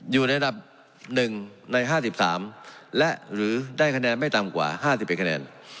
อยู่ในระดับ๑ใน๕๓และหรือได้คะแนนไม่ต่ำกว่า๕๑คะแนน